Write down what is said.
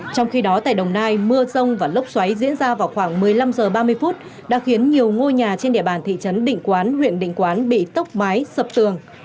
trong khi đó tại đồng nai mưa rông và lốc xoáy diễn ra vào khoảng một mươi năm h ba mươi đã khiến nhiều ngôi nhà trên địa bàn thị trấn định quán huyện định quán bị tốc mái sập tường